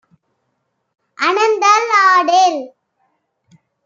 அனந்தல் ஆடேல்.